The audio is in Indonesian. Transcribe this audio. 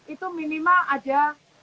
itu minimal ada